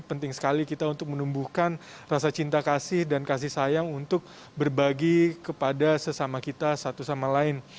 penting sekali kita untuk menumbuhkan rasa cinta kasih dan kasih sayang untuk berbagi kepada sesama kita satu sama lain